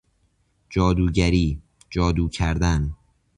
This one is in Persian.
جادوگری، جادو کردن